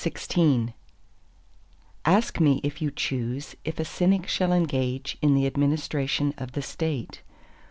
CXVII Ask me if you choose if a Cynic shall engage in the administration of the State.